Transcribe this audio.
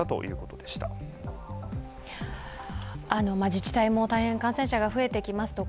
自治体も大変感染者が増えてきますと、